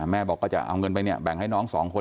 แม่ก็จะเอาเงินไปแบ่งให้สองผม